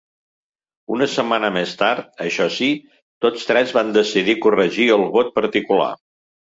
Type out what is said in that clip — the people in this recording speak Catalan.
Una setmana més tard, això sí, tots tres van decidir corregir el vot particular.